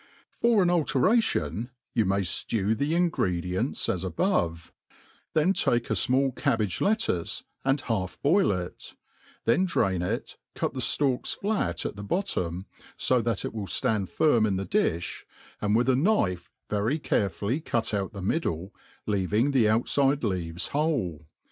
For an alteration, you may ftew the ingredients as above*: then take a fmall cabbage lettuce, and half boil it; then dram it, cut the ftalks flat at the bottom, fo that it will ftand iiraa in the difl), and with a knife very carefully cut out the middle^ leaving the outGde leaves whole.